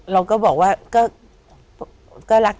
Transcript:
เราก็บอกว่า